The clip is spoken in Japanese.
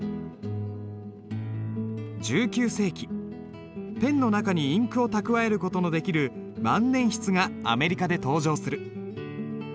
１９世紀ペンの中にインクを蓄える事のできる万年筆がアメリカで登場する。